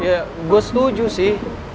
ya gua setuju sih